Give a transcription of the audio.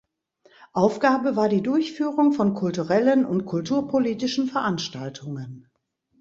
Aufgabe war die Durchführung von kulturellen und kulturpolitischen Veranstaltungen.